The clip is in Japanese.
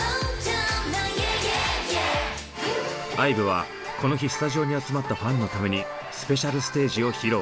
ＩＶＥはこの日スタジオに集まったファンのためにスペシャルステージを披露。